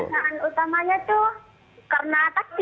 alasan utamanya tuh karena takdir